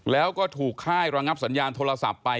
แล้วก็ถูกค่ายระงับสัญญาณโทรศัพท์ไป